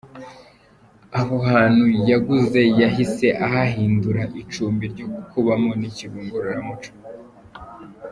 Aho hantu yaguze yahise ahahindura icumbi ryo kubamo n’ikigo ngororamuco.